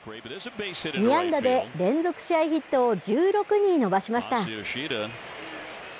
２安打で、連続試合ヒットを１６に伸ばしました。